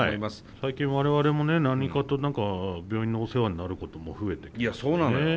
最近我々もね何かと何か病院のお世話になることも増えてきましたね。